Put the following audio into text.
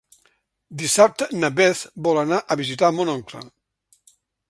Dissabte na Beth vol anar a visitar mon oncle.